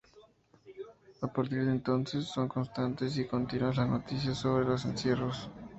A partir de entonces son constantes y continuas las noticias sobre los encierros.